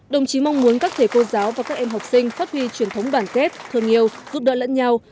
đồng chí mong muốn các thể cô giáo và các em học sinh phát huy truyền thống đoàn kết thương yêu giúp đỡ lẫn nhau